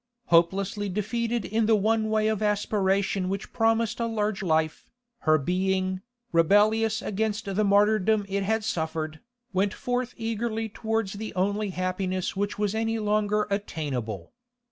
Hopelessly defeated in the one way of aspiration which promised a large life, her being, rebellious against the martyrdom it had suffered, went forth eagerly towards the only happiness which was any longer attainable.